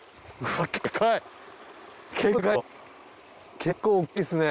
結構大きいっすね。